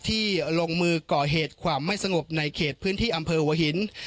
ที่ลงมือก่อเหตุความไม่สงบในเขตพื้นที่อำเภอหัวหิน